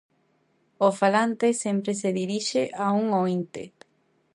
O falante sempre se dirixe a un oínte.